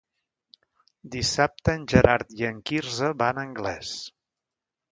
Dissabte en Gerard i en Quirze van a Anglès.